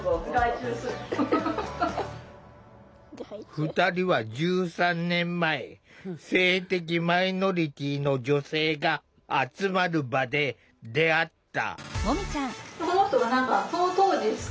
２人は１３年前性的マイノリティーの女性が集まる場で出会った。